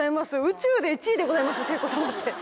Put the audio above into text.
宇宙で１位でございます聖子様